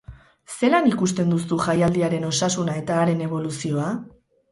Zelan ikusten duzu jaialdiaren osasuna eta haren eboluzioa?